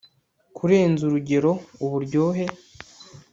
Kurenza urugerouburyohe